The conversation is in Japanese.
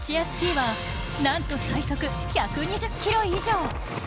スキーはなんと最速１２０キロ以上。